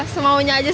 semau nya aja sih